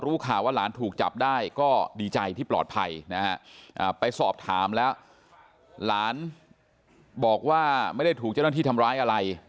ข่าวว่าหลานถูกจับได้ก็ดีใจที่ปลอดภัยนะฮะไปสอบถามแล้วหลานบอกว่าไม่ได้ถูกเจ้าหน้าที่ทำร้ายอะไร